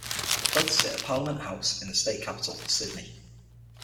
Both sit at Parliament House in the state capital, Sydney.